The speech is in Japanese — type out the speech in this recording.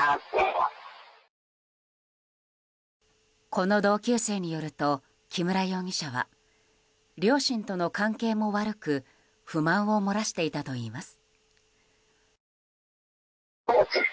この同級生によると木村容疑者は両親との関係も悪く不満を漏らしていたといいます。